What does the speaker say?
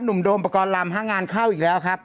หนุ่มโดมประกอบรามห้างงานเข้าอีกแล้วครับ